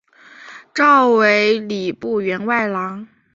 召为礼部员外郎。